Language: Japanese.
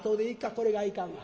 これがいかんわな。